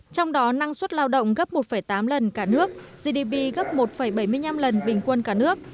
trong đó năng suất lao động gấp một tám lần cả nước gdp gấp một bảy mươi năm lần bình quân cả nước